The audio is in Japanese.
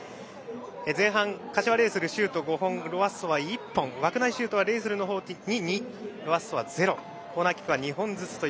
前半、柏レイソルシュート５本ロアッソは１本枠内シュートはレイソル２ロアッソは０本でコーナーキックは２本ずつ。